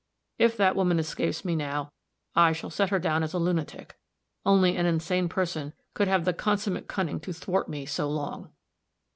If that woman escapes me now, I shall set her down as a lunatic only an insane person could have the consummate cunning to thwart me so long."